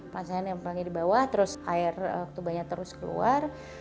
placentanya nempelnya di bawah terus air tubanya terus keluar